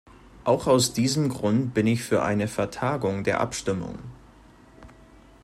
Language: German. Auch aus diesem Grund bin ich für eine Vertagung der Abstimmung.